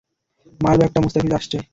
মারবো একটা, মুস্তাফিজ আসছে।